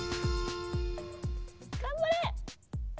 頑張れ！